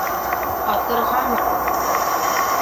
Аҫырғамы?..